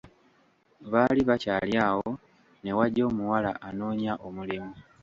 Baali bakyali awo newajja omuwala anoonya omulimu.